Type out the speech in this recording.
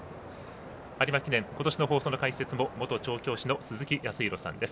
有馬記念、今年の放送の解説も元調教師の鈴木康弘さんです。